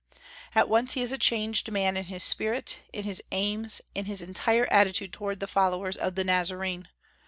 At once he is a changed man in his spirit, in his aims, in his entire attitude toward the followers of the Nazarene.